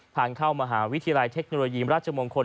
ทางเข้ามหาวิทยาลัยเทคโนโลยีมราชมงคล